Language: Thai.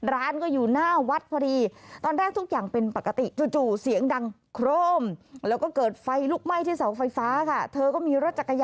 ร้านก็อยู่หน้าวัดพอดี